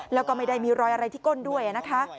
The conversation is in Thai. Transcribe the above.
แล้วก็ไม่ได้มีรอยอะไรที่ก้นด้วยนะคะ